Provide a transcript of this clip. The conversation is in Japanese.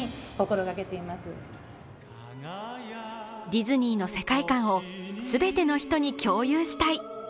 ディズニーの世界観を全ての人に共有したい。